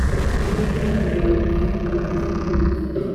Uwiteka abwira Mose ati Uzazamuke uyu musozi